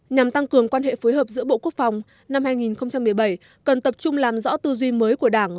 nhằm tăng cường quan hệ phối hợp giữa bộ quốc phòng năm hai nghìn một mươi bảy cần tập trung làm rõ tư duy mới của đảng